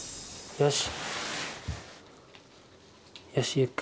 よし。